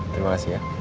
terima kasih ya